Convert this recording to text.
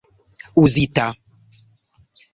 uzita